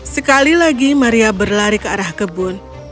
sekali lagi maria berlari ke arah kebun